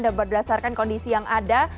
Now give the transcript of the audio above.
dan berdasarkan kondisi yang ada